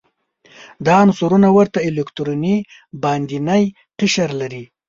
دا عنصرونه ورته الکتروني باندینی قشر لري.